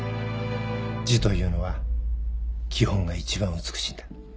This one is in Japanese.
字というのは基本が一番美しいんだ。